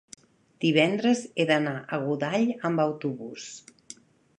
divendres he d'anar a Godall amb autobús.